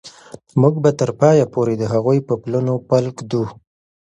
موږ به تر پایه پورې د هغوی په پلونو پل ږدو.